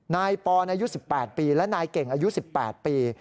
นายปอนอายุ๑๘ปีและนายเก่งอายุ๑๘ปี